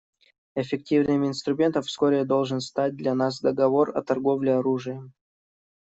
Эффективным инструментом вскоре должен стать для нас договор о торговле оружием.